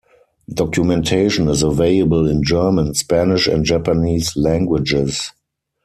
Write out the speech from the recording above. Documentation is available in German, Spanish and Japanese languages.